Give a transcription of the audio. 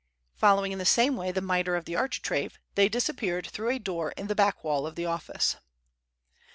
Following in the same way the miter of the architrave, they disappeared though a door in the back wall of the office.